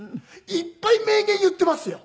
いっぱい名言言っていますよ。